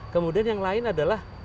kemudian yang lain adalah